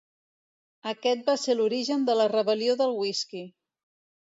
Aquest va ser l'origen de la Rebel·lió del Whisky.